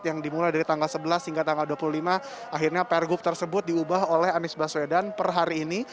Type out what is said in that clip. yang dimulai dari tanggal sebelas hingga tanggal dua puluh lima akhirnya pergub tersebut diubah oleh anies baswedan per hari ini